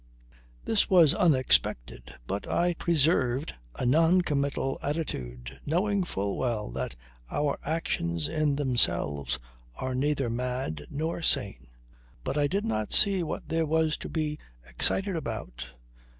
This was unexpected, but I preserved a noncommittal attitude, knowing full well that our actions in themselves are neither mad nor sane. But I did not see what there was to be excited about.